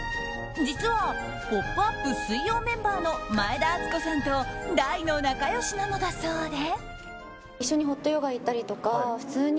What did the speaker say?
実は「ポップＵＰ！」水曜メンバーの前田敦子さんと大の仲良しなのだそうで。